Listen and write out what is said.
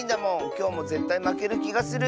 きょうもぜったいまけるきがする。